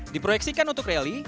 diproyeksikan untuk rally rally